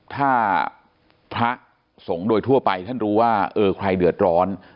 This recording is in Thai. ถ้าพระสงฆ์โดยทั่วไปท่านรู้ว่าเออใครเดือดร้อน